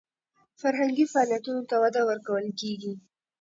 فرهنګي فعالیتونو ته وده ورکول کیږي.